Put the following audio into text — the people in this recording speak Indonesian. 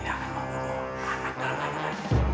dia akan mati